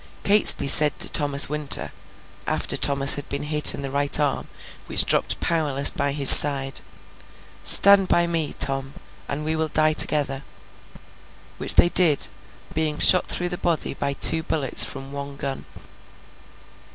Catesby said to Thomas Winter, after Thomas had been hit in the right arm which dropped powerless by his side, 'Stand by me, Tom, and we will die together!'—which they did, being shot through the body by two bullets from one gun.